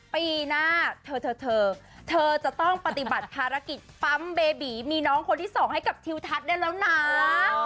ปีหน้าเธอเธอจะต้องปฏิบัติภารกิจปั๊มเบบีมีน้องคนที่สองให้กับทิวทัศน์ได้แล้วนะ